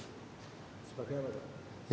sebagai apa pak